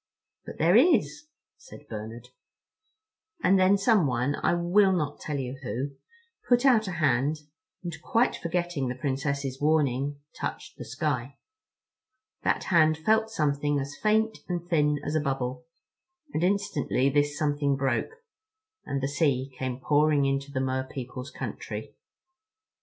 "But there is," said Bernard. And then someone—I will not tell you who—put out a hand, and, quite forgetting the Princess's warning, touched the sky. That hand felt something as faint and thin as a bubble—and instantly this something broke, and the sea came pouring into the Mer people's country.